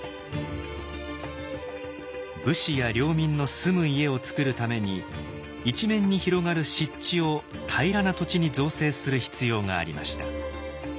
武士や領民の住む家をつくるために一面に広がる湿地を平らな土地に造成する必要がありました。